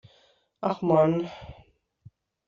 Ach Mann.